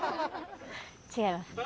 違いますね。